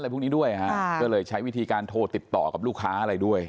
พวกนี้ด้วยฮะก็เลยใช้วิธีการโทรติดต่อกับลูกค้าอะไรด้วย